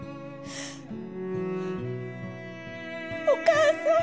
お母さん。